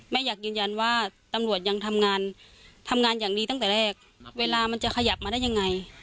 อยากยืนยันว่าตำรวจยังทำงานทำงานอย่างดีตั้งแต่แรกเวลามันจะขยับมาได้ยังไง